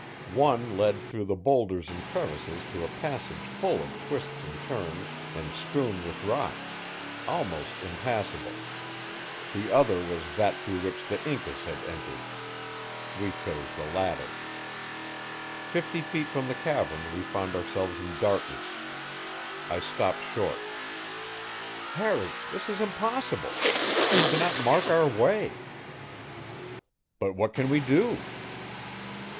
One led through the boulders and crevices to a passage full of twists and turns and strewn with rocks, almost impassable; the other was that through which the Incas had entered. We chose the latter. Fifty feet from the cavern we found ourselves in darkness. I stopped short. "Harry, this is impossible. We cannot mark our way." "But what can we do?"